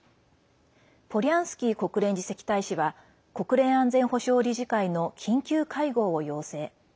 ポリャンスキー国連次席大使は国連安全保障理事会の緊急会合を要請。